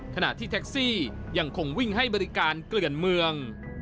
ขณะที่แท็กซี่ยังคงวิ่งให้บริการเกลื่อนเมือง